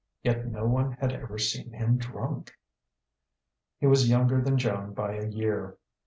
Yet no one had ever seen him drunk. He was younger than Joan by a year.